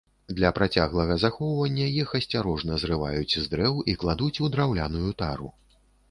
Для працяглага захоўвання іх асцярожна зрываюць з дрэў і кладуць у драўляную тару.